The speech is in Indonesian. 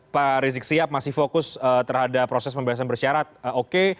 pak rizik siap masih fokus terhadap proses pembebasan bersyarat oke